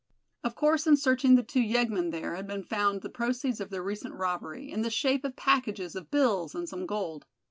Of course in searching the two yeggmen there had been found the proceeds of their recent robbery, in the shape of packages of bills, and some gold.